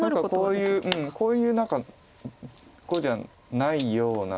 こういう何かこうじゃないような。